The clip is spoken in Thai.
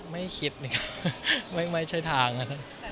ไม่คิดเลยครับไม่ใช่ทางอ่ะ